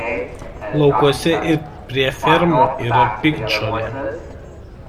Laukuose ir prie fermų yra piktžolė.